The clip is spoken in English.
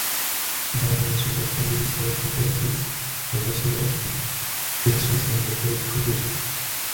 Other information that can be displayed includes navigation route directions and a trip computer.